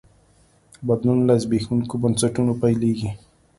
بدلون له زبېښونکو بنسټونو پیلېږي.